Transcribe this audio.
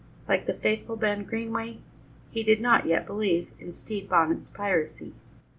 Like the faithful Ben Greenway, he did not yet believe in Stede Bonnet's piracy.